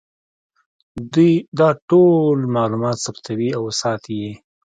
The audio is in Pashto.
دوی دا ټول معلومات ثبتوي او ساتي یې